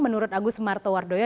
menurut agus martowardo ya